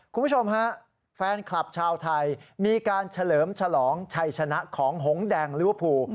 คุณผู้ชมฮะแฟนคลับชาวไทยมีการเฉลิมฉลองชัยชนะของหงแดงลิเวอร์ภู